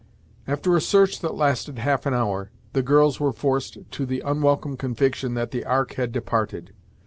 After a search that lasted half an hour, the girls were forced to the unwelcome conviction that the ark had departed.